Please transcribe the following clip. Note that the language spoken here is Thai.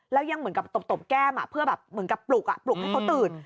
แล้วยังเหมือนกับตบแก้มเพื่อแบบเหมือนกับปลุกปลุกให้เขาตื่น